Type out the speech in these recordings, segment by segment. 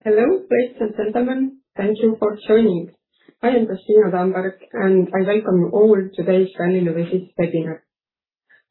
Hello, ladies and gentlemen. Thank you for joining. I am Kristiina Tamberg, I welcome you all to today's Tallinna Vesi webinar.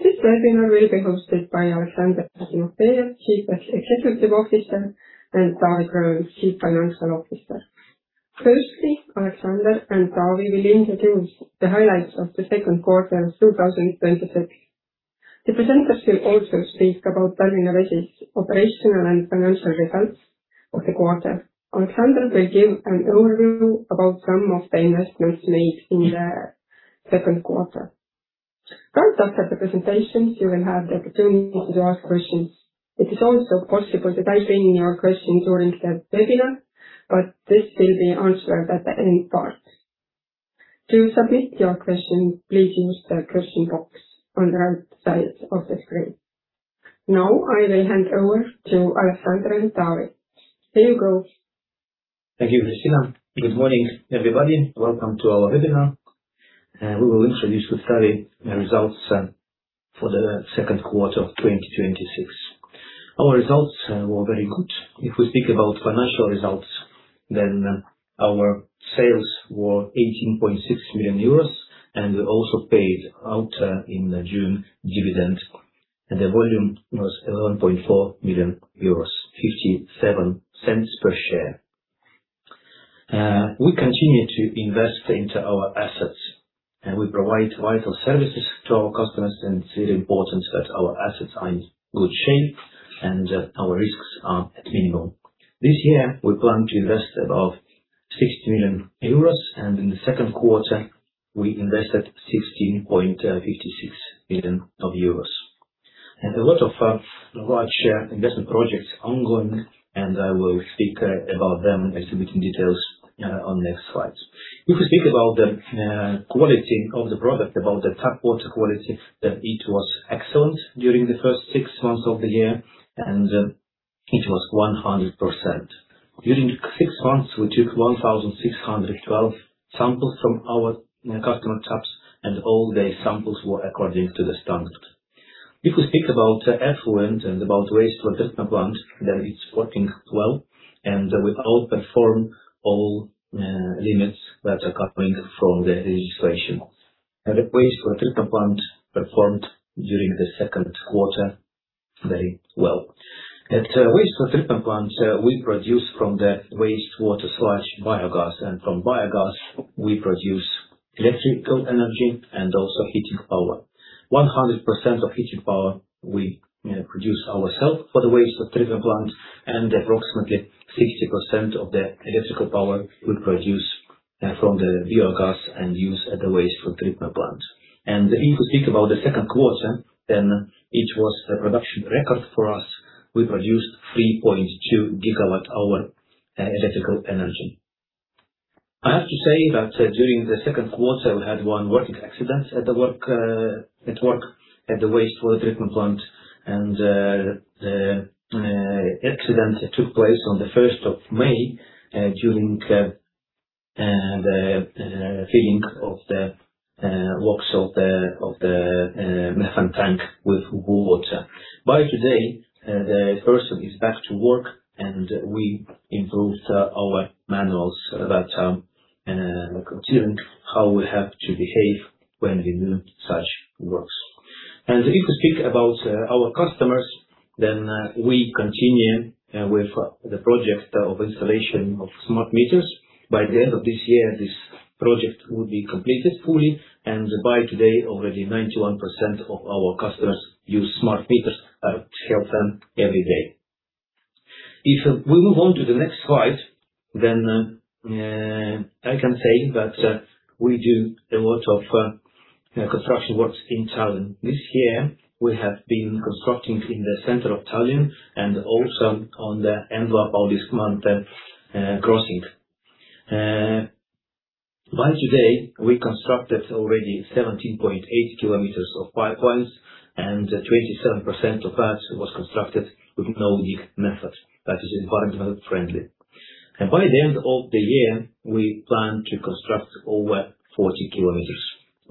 This webinar will be hosted by Aleksandr Timofejev, Chief Executive Officer, and Taavi Gröön, Chief Financial Officer. Firstly, Aleksandr and Taavi will introduce the highlights of the second quarter of 2026. The presenters will also speak about Tallinna Vesi's operational and financial results of the quarter. Aleksandr will give an overview about some of the investments made in the second quarter. Throughout the presentations, you will have the opportunity to ask questions. It is also possible to type in your questions during the webinar, this will be answered at the end part. To submit your question, please use the question box on the right side of the screen. Now I will hand over to Aleksandr and Taavi. Here you go. Thank you, Kristiina. Good morning, everybody. Welcome to our webinar, we will introduce the second quarter results for the second quarter of 2026. Our results were very good. If we speak about financial results, our sales were EUR 18.6 million, we also paid out in June dividend, the volume was EUR 11.4 million, EUR 0.57 per share. We continue to invest into our assets, we provide vital services to our customers, it's really important that our assets are in good shape and our risks are at minimum. This year we plan to invest about 60 million euros, in the second quarter we invested 16.56 million euros. A lot of large investment projects ongoing, I will speak about them as we get in details on next slides. If we speak about the quality of the product, about the tap water quality, it was excellent during the first six months of the year, it was 100%. During six months, we took 1,612 samples from our customer taps, all the samples were according to the standard. If we speak about effluent and about wastewater treatment plant, it's working well, we outperform all limits that are coming from the legislation. The wastewater treatment plant performed during the second quarter very well. At wastewater treatment plant, we produce from the wastewater sludge biogas, from biogas we produce electrical energy and also heating power. 100% of heating power we produce ourselves for the wastewater treatment plant, approximately 60% of the electrical power we produce from the biogas and use at the wastewater treatment plant. If you think about the second quarter, it was a production record for us. We produced 3.2 GWh electrical energy. I have to say that during the second quarter, we had one working accident at work at the wastewater treatment plant, the accident took place on the 1st of May, during the filling of the works of the methane tank with water. By today, the person is back to work, we improved our manuals that are considering how we have to behave when we do such works. If we speak about our customers, we continue with the project of installation of smart meters. By the end of this year, this project will be completed fully, by today, already 91% of our customers use smart meters at their home every day. If we move on to the next slide, I can say that we do a lot of construction works in Tallinn. This year, we have been constructing in the center of Tallinn and also on the Annelinn-Paljassaare crossing. By today, we constructed already 17.8 km of pipelines, 27% of that was constructed with no-dig method that is environmental friendly. By the end of the year, we plan to construct over 40 km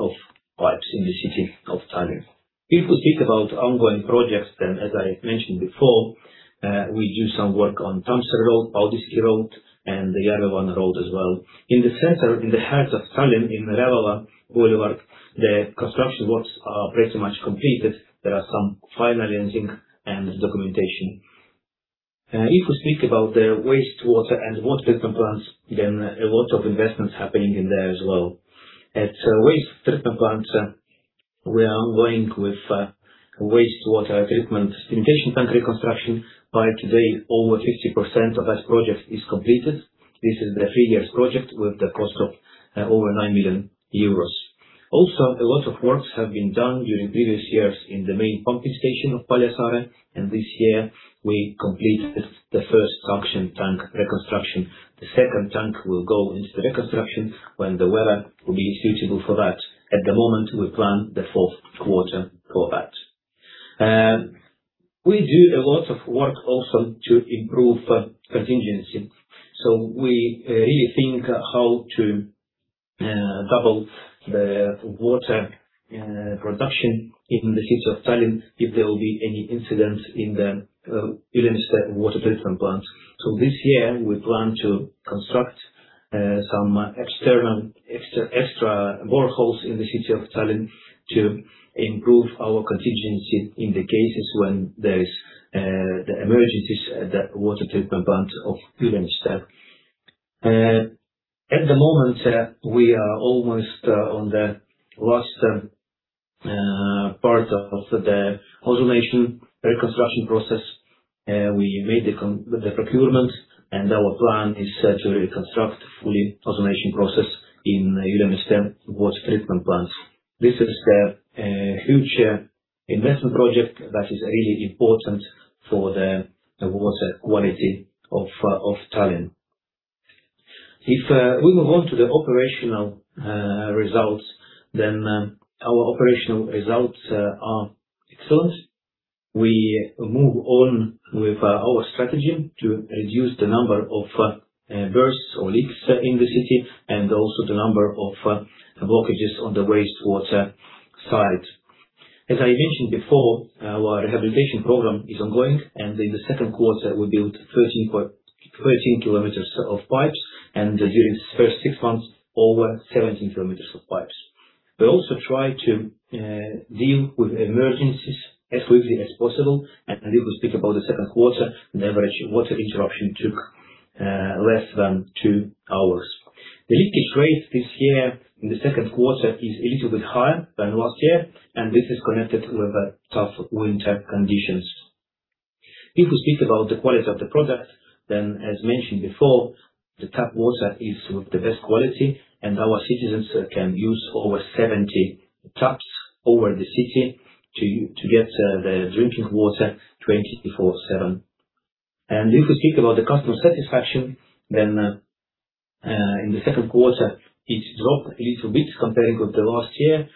of pipes in the city of Tallinn. If we speak about ongoing projects, as I mentioned before, we do some work on A. H. Tammsaare tee, Paldiski maantee, and the Järvevana tee as well. In the center, in the heart of Tallinn, in Rävala Boulevard, the construction works are pretty much completed. There are some final ending and documentation. If we speak about the wastewater and water treatment plants, a lot of investments happening in there as well. At wastewater treatment plant, we are ongoing with wastewater treatment sedimentation tank reconstruction. By today, over 50% of that project is completed. This is the three years project with the cost of over 9 million euros. Also, a lot of works have been done during previous years in the main pumping station of Paljassaare, this year we completed the first suction tank reconstruction. The second tank will go into the reconstruction when the weather will be suitable for that. At the moment, we plan the fourth quarter for that. We do a lot of work also to improve contingency. We really think how to double the water production in the city of Tallinn if there will be any incident in the Ülemiste Water Treatment Plant. This year, we plan to construct some external extra boreholes in the city of Tallinn to improve our contingency in the cases when there is the emergencies at that Water Treatment Plant of Ülemiste. At the moment, we are almost on the last part of the automation reconstruction process. We made the procurement, our plan is to reconstruct fully automation process in Ülemiste Water Treatment Plants. This is a huge investment project that is really important for the water quality of Tallinn. If we move on to the operational results, our operational results are excellent. We move on with our strategy to reduce the number of bursts or leaks in the city and also the number of blockages on the wastewater side. As I mentioned before, our rehabilitation program is ongoing, in the second quarter we built 13 km of pipes, during the first six months, over 17 km of pipes. We also try to deal with emergencies as quickly as possible, if you speak about the second quarter, the average water interruption took less than two hours. The leakage rate this year in the second quarter is a little bit higher than last year, this is connected with the tough winter conditions. If we speak about the quality of the product, as mentioned before, the tap water is of the best quality and our citizens can use over 70 taps over the city to get the drinking water 24/7. If we speak about the customer satisfaction, in the second quarter, it dropped a little bit comparing with the last year.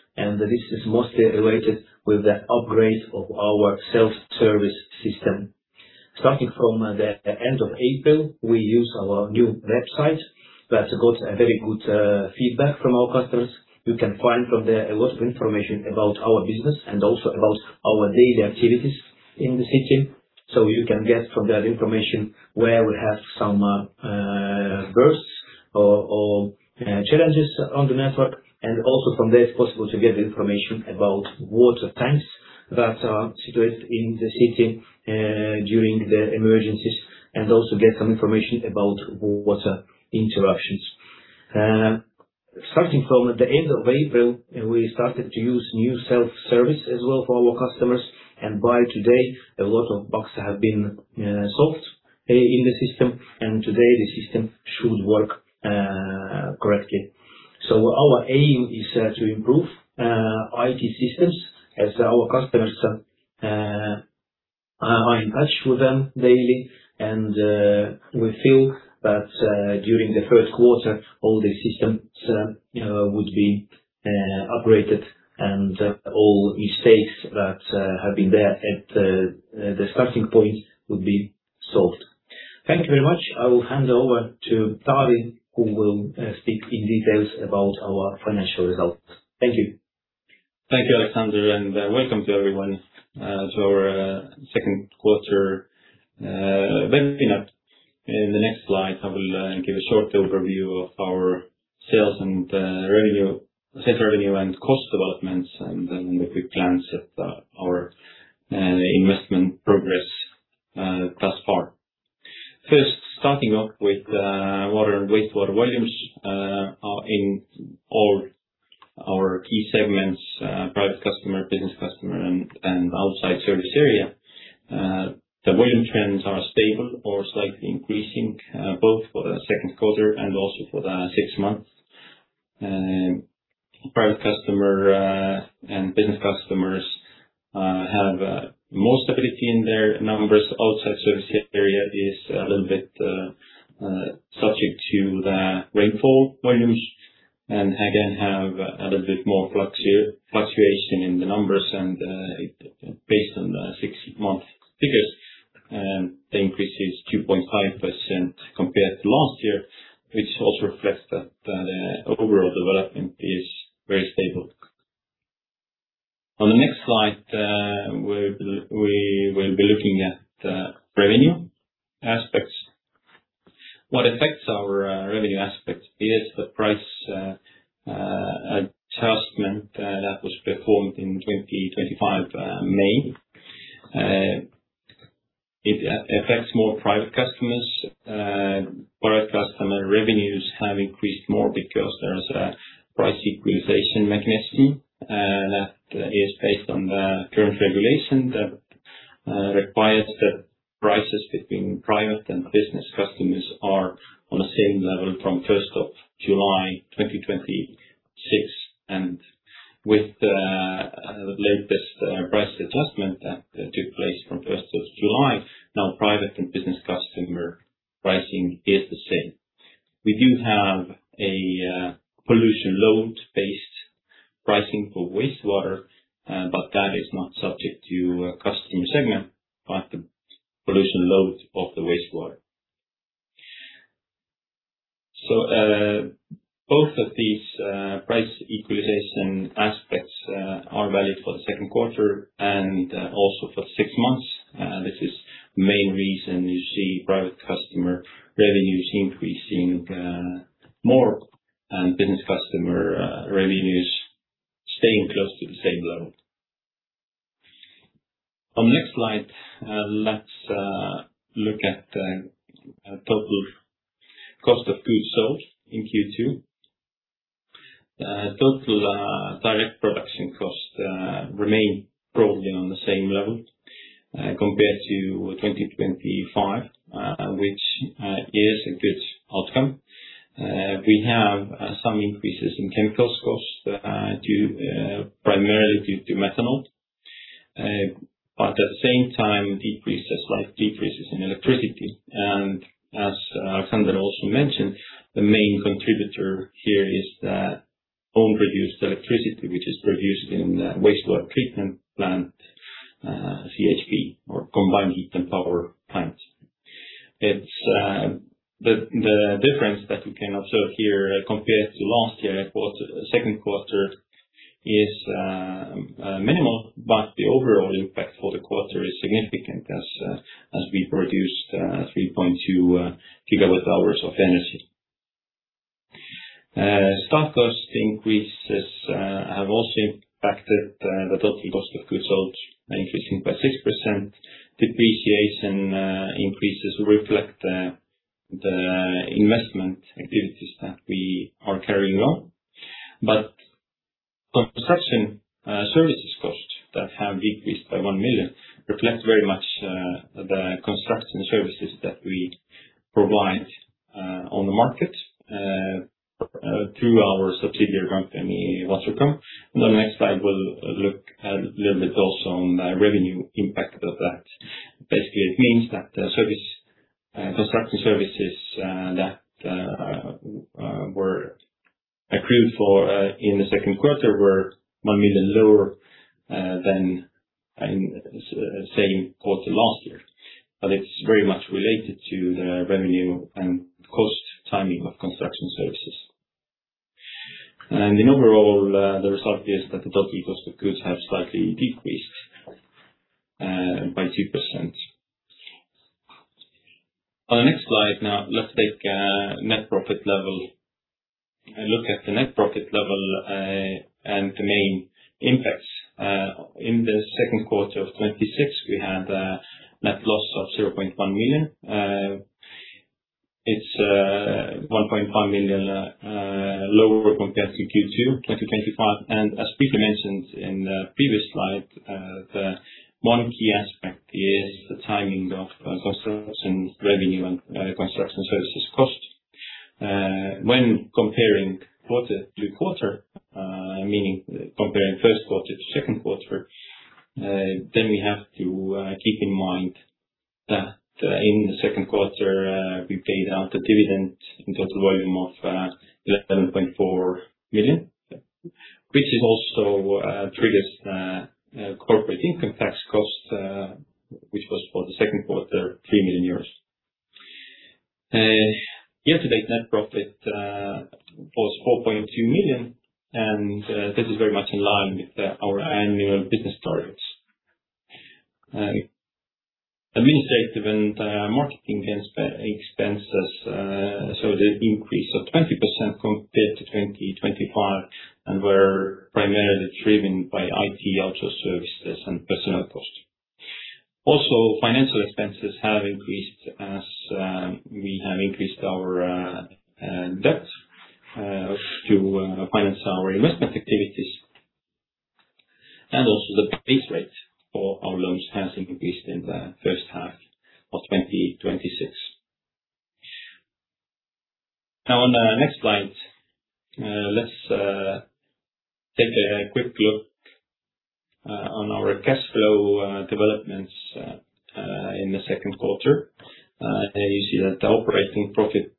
This is mostly related with the upgrade of our self-service system. Starting from the end of April, we use our new website that got a very good feedback from our customers. You can find from there a lot of information about our business and also about our daily activities in the city. You can get from that information where we have some bursts or challenges on the network. Also from there it is possible to get information about water tanks that are situated in the city, during the emergencies, and also get some information about water interruptions. Starting from the end of April, we started to use new self-service as well for our customers. By today, a lot of bugs have been solved in the system, and today the system should work correctly. Our aim is to improve IT systems as our customers, I am in touch with them daily, and we feel that during the first quarter, all the systems would be upgraded and all mistakes that have been there at the starting point would be solved. Thank you very much. I will hand over to Taavi, who will speak in details about our financial results. Thank you. Thank you, Aleksandr, welcome to everyone to our second quarter webinar. In the next slide, I will give a short overview of our sales and revenue, sales revenue and cost developments, then we plans of our investment progress thus far. First, starting off with water and wastewater volumes, in all our key segments, private customer, business customer, and outside service area. The volume trends are stable or slightly increasing, both for the second quarter and also for the six months. Private customer and business customers have more stability in their numbers. Outside service area is a little bit subject to the rainfall volumes again, have a little bit more fluctuation in the numbers. Based on the six-month figures, the increase is 2.5% compared to last year, which also reflects that the overall development is very stable. On the next slide, we will be looking at revenue aspects. What affects our revenue aspect is the price adjustment that was performed in 2025, May. It affects more private customers. Private customer revenues have increased more because there is a price equalization mechanism that is based on the current regulation that requires that prices between private and business customers are on the same level from 1st of July 2026. With the latest price adjustment that took place from 1st of July. Now, private and business customer pricing is the same. We do have a pollution load-based pricing for wastewater, but that is not subject to customer segment, but the pollution load of the wastewater. Both of these price equalization aspects are valid for the second quarter and also for six months. This is the main reason you see private customer revenues increasing more and business customer revenues staying close to the same level. On the next slide, let's look at the total cost of goods sold in Q2. Total direct production costs remain broadly on the same level compared to 2025, which is a good outcome. We have some increases in chemicals costs, primarily due to methanol. At the same time, decreases like decreases in electricity. As Sander also mentioned, the main contributor here is the home-produced electricity, which is produced in wastewater treatment plant, CHP or combined heat and power plants. The difference that we can observe here compared to last year second quarter is minimal, but the overall impact for the quarter is significant as we produced 3.2 GWh of energy. Staff cost increases have also impacted the total cost of goods sold, increasing by 6%. Depreciation increases reflect the investment activities that we are carrying on. Construction services costs that have decreased by 1 million reflect very much the construction services that we provide on the market through our subsidiary company, Watercom. On the next slide, we'll look a little bit also on the revenue impact of that. Basically, it means that construction services that were accrued for in the second quarter were 1 million lower than same quarter last year. It's very much related to the revenue and cost timing of construction services. In overall, the result is that the total cost of goods have slightly decreased by 2%. On the next slide now, let's take a look at the net profit level and the main impacts. In the second quarter of 2026, we had a net loss of 0.1 million. It's 1.5 million lower compared to Q2 2025. As Peter mentioned in the previous slide, the one key aspect is the timing of construction revenue and construction services cost. When comparing quarter to quarter, meaning comparing first quarter to second quarter, then we have to keep in mind that in the second quarter, we paid out a dividend in total volume of 11.4 million, which also triggers corporate income tax cost, which was, for the second quarter, 3 million euros. Year-to-date net profit was 4.2 million, and this is very much in line with our annual business targets. Administrative and marketing expenses showed an increase of 20% compared to 2025 and were primarily driven by IT outsource services and personnel costs. Also, financial expenses have increased as we have increased our debt to finance our investment activities. Also the base rate for our loans has increased in the first half of 2026. On the next slide, let's take a quick look on our cash flow developments in the second quarter. You see that the operating profit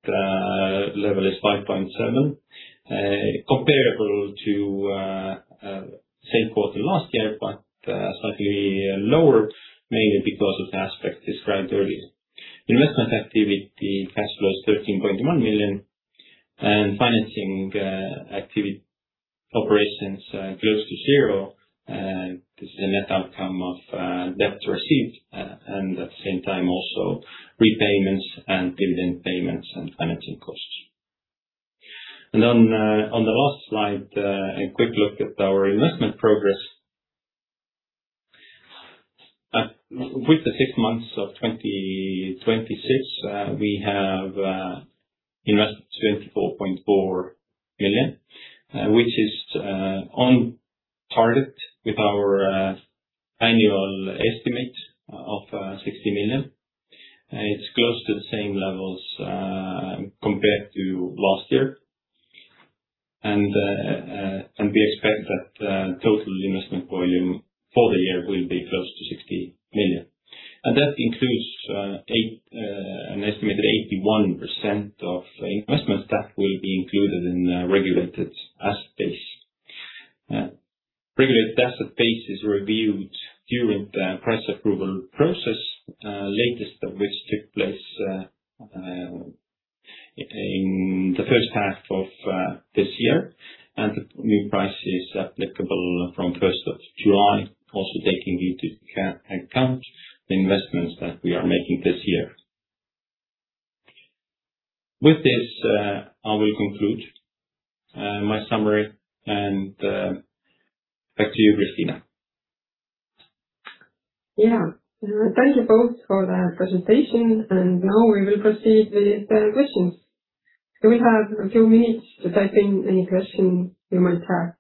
level is EUR 5.7, comparable to same quarter last year, but slightly lower, mainly because of the aspects described earlier. Investment activity cash flow is 13.1 million and financing operations close to zero. This is a net outcome of debt received and at the same time also repayments and dividend payments and financing costs. On the last slide, a quick look at our investment progress. With the six months of 2026, we have invested 24.4 million, which is on target with our annual estimate of 60 million. It's close to the same levels compared to last year. And we expect that the total investment volume for the year will be close to 60 million. That includes an estimated 81% of investments that will be included in the Regulated Asset Base. Regulated Asset Base is reviewed during the price approval process, latest of which took place in the first half of this year, and the new price is applicable from 1st of July, also taking into account the investments that we are making this year. With this, I will conclude my summary, and back to you, Kristiina. Thank you both for the presentation. Now we will proceed with the questions. We have a few minutes to type in any questions you might have.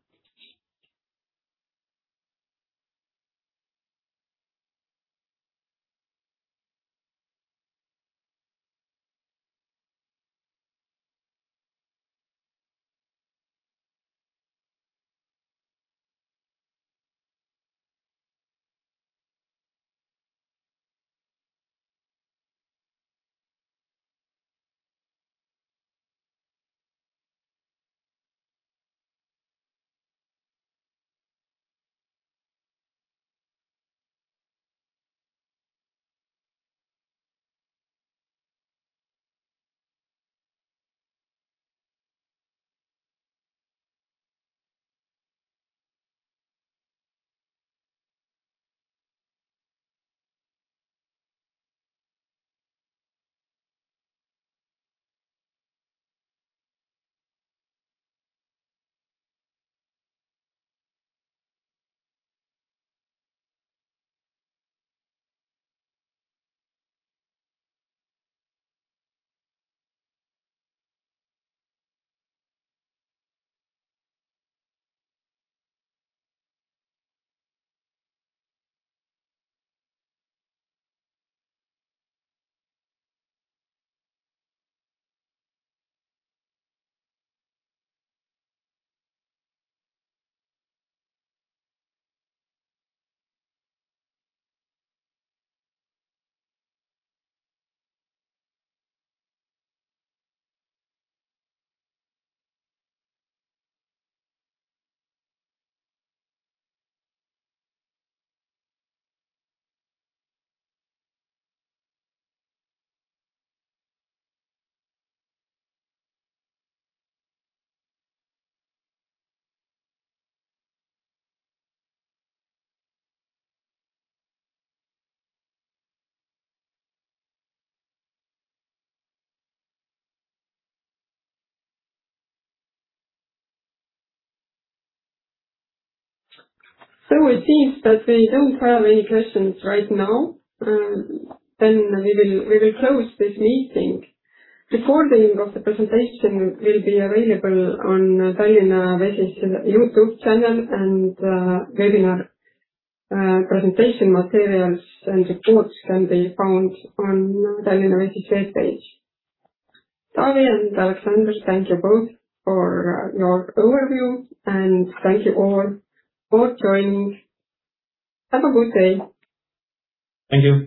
It seems that we don't have any questions right now. We will close this meeting. Recording of the presentation will be available on Tallinna Vesi's YouTube channel, and webinar presentation materials and reports can be found on Tallinna Vesi's webpage. Taavi and Aleksandr, thank you both for your overview. Thank you all for joining. Have a good day. Thank you.